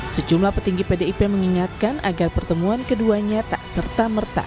sejumlah petinggi pdip mengingatkan agar pertemuan keduanya tak serta merta